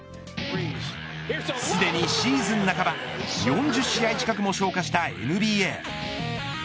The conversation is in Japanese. すでにシーズン半ば４０試合近くも消化したＮＢＡ。